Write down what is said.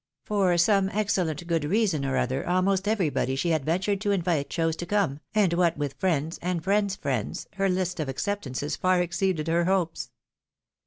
For some excellently good COURT TOILET. 337 reason or other, almost everybody she had ventured to invite chose to come, and what with friends, and friends' friends, her list of acceptances far exceeded her hopes.